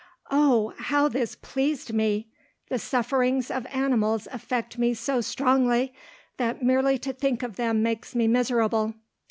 Oh! how this pleased me. The sufferings of animals affect me so strongly, that merely to think of them makes me miserable.